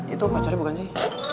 itu pacarnya bukan sih